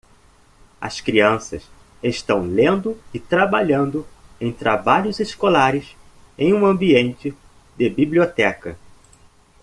As crianças estão lendo e trabalhando em trabalhos escolares em um ambiente de biblioteca.